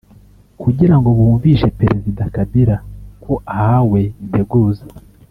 kugira ngo bumvishe Perezida Kabila ko ahawe integuza